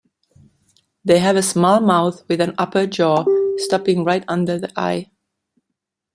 They have a small mouth with an upper jaw stopping right under the eye.